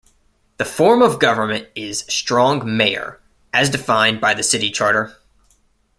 The form of government is strong-mayor, as defined by the City Charter.